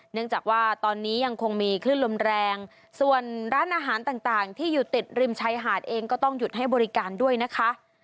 เนื่องจากว่าตอนนี้ยังคงมีคลื่นลมแรงส่วนร้านอาหารต่างที่อยู่ติดริมชายหาดเองก็ต้องหยุดให้บริการด้วยนะคะ